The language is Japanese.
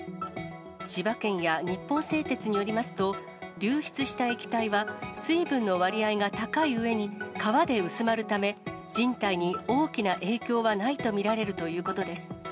千葉県や日本製鉄によりますと、流出した液体は、水分の割合が高いうえに、川で薄まるため、人体に大きな影響はないと見られるということです。